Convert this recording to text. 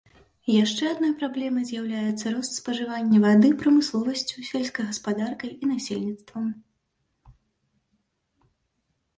Яшчэ адной праблемай з'яўляецца рост спажывання вады прамысловасцю, сельскай гаспадаркай і насельніцтвам.